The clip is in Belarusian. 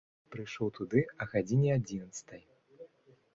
Прыйшоў туды а гадзіне адзінаццатай.